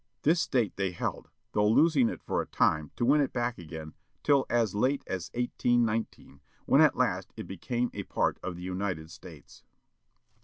This state they held, though losing it for a time, to win it back again, till as late as 1819, when at last it became a part of the United States.